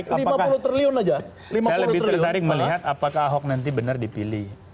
saya lebih tertarik melihat apakah ahok nanti benar dipilih